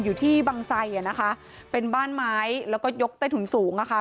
อยู่ที่บังไสอ่ะนะคะเป็นบ้านไม้แล้วก็ยกใต้ถุนสูงอะค่ะ